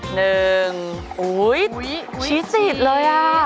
หนึ่งโอ้ยชิสิตเลยอ่ะ